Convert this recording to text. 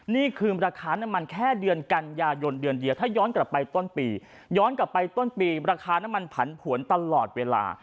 นี่คือราคาน้ำมันแค่เดือนกันยายนเดือนเดียวถ้าย้อนกลับไปต้นปีย้อนกลับไปต้นปีราคาน้ำมันผันผวนตลอดเวลา